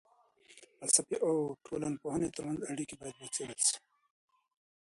د فلسفې او ټولنپوهني ترمنځ اړیکې باید وڅېړل سي.